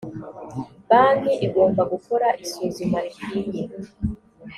banki igomba gukora isuzuma rikwiye